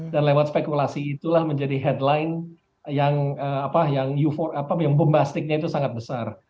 dan lewat spekulasi itulah menjadi headline yang bombastiknya itu sangat besar